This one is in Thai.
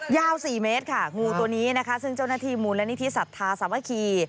ยาว๔เมตรค่ะงูตัวนี้นะคะซึ่งเจ้าหน้าที่มูลนิธิสัทธาสามัคคี